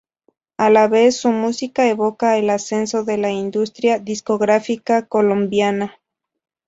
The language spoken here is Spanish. A la vez, su música evoca el ascenso de la industria discográfica colombiana.